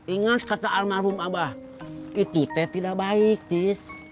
ingat kata almarhum abah itu teh tidak baik dis